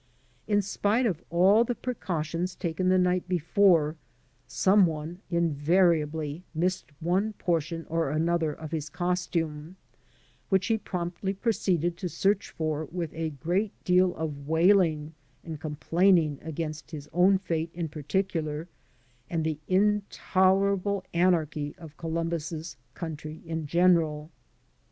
In spite of all the precautions taken the night before, some one invariably missed one portion or another of his costume, which he promptly proceeded to search for with a great deal of wailing and complaining against his own fate in particular and the intolerable anarchy of Columbus's coimtry in general.